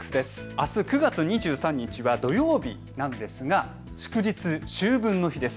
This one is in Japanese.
あす９月２３日は土曜日なんですが祝日、秋分の日です。